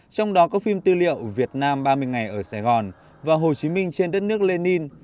trong đó có phim tư liệu việt nam ba mươi ngày ở sài gòn và hồ chí minh trên đất nước lenin